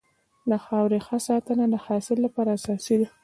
د خاورې ښه ساتنه د حاصل لپاره اساسي ده.